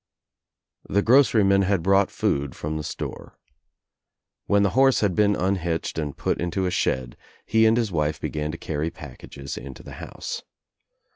The groccryman had brought food from the store. THE NEW ENGLANDER 149 When the horse had been unhitched and put into a shed he and his wife began to carry packages into the house.